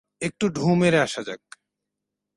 একটু ঢুঁ মেরে আসা যাক।